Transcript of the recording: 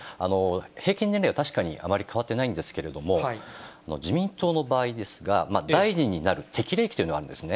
平均年齢は確かにあまり変わってないんですけれども、自民党の場合ですが、大臣になる適齢期というのがあるんですね。